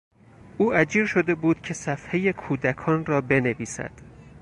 او اجیر شده بود که صفحهی کودکان را بنویسد.